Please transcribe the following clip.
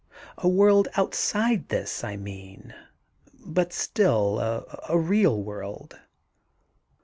— a world outside this, I mean, but still a real world